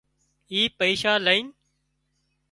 اي پئيشا لئينَ